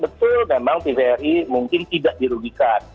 betul memang tvri mungkin tidak dirugikan